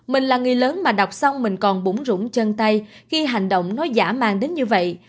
mình là người lớn mà đọc xong mình còn bún rũng chân tay khi hành động nó giả mang đến như vậy